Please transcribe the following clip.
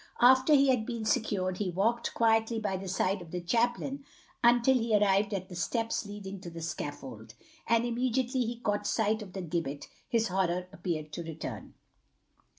After he had been secured he walked quietly by the side of the chaplain until he arrived at the steps leading to the scaffold, and immediately he caught sight of the gibbet his horror appeared to return.